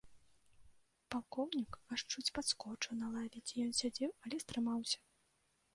Палкоўнік аж чуць падскочыў на лаве, дзе ён сядзеў, але стрымаўся.